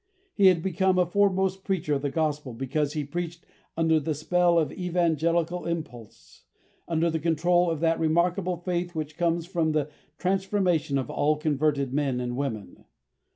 He had become a foremost preacher of the Gospel because he preached under the spell of evangelical impulse, under the control of that remarkable faith which comes with the transformation of all converted men or women.